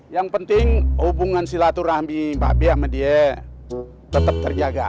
yang penting hubungan si laturahmi bang robby sama dia tetap terjaga